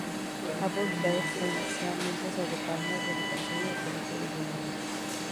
Ha publicado extensamente sobre palmas, vegetación, y ecología de Bolivia.